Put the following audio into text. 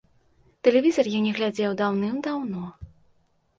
Тэлевізар я не глядзеў даўным-даўно.